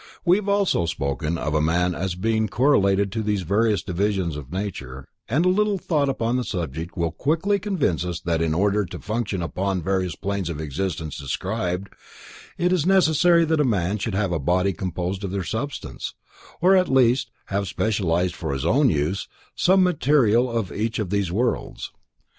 We have also spoken of man as being correlated to these various divisions in nature, and a little thought upon the subject will quickly convince us that in order to function upon the various planes of existence described, it is necessary that a man should have a body composed of their substance, or at least have specialized for his own use, some of the material of each of these worlds.